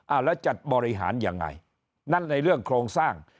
แล้วจะบริหารยังไงนั่นในเรื่องโครงสร้าง